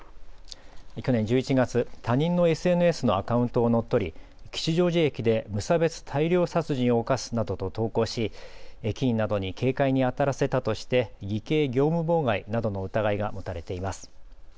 去年１１月、他人のＳＮＳのアカウントを乗っ取り吉祥寺駅で無差別大量殺人を犯すなどと投稿し、駅員などに警戒にあたらさせたとして偽計業務妨害などの疑いが持たれています。